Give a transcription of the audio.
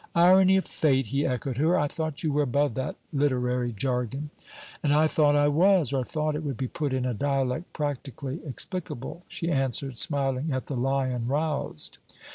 'Irony of Fate!' he echoed her. 'I thought you were above that literary jargon.' 'And I thought I was: or thought it would be put in a dialect practically explicable,' she answered, smiling at the lion roused.